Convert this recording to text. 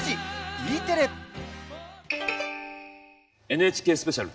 ＮＨＫスペシャル。